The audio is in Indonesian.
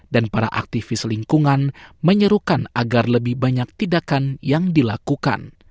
dan para aktivis lingkungan menyerukan agar lebih banyak tidakkan yang dilakukan